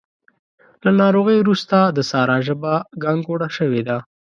له ناروغۍ روسته د سارا ژبه ګانګوړه شوې ده.